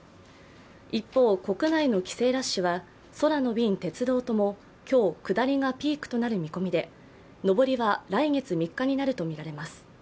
一方、国内の帰省ラッシュは空の便、鉄道とも今日、下りがピークとなる見込みで上りは来月３日になるとみられます。